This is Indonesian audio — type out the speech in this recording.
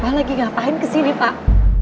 pak lagi ngapain kesini pak